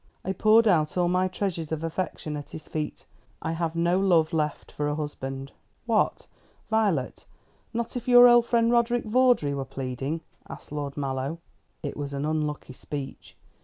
I poured out all my treasures of affection at his feet. I have no love left for a husband." "What, Violet, not if your old friend Roderick Vawdrey were pleading?" asked Lord Mallow. It was an unlucky speech.